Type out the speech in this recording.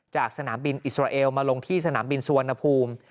สนามบินอิสราเอลมาลงที่สนามบินสุวรรณภูมิ